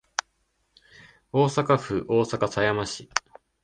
大阪府大阪狭山市